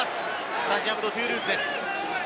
スタジアム・ド・トゥールーズです。